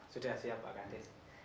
sudah siap pak kandis